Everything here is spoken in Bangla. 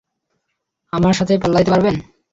আমার সাথে পাল্লা দিতে পারবেন?